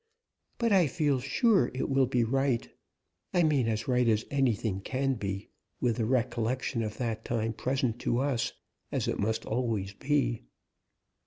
But I feel sure it will be right; I mean, as right as anything can be, with the recollection of that time present to us, as it must always be."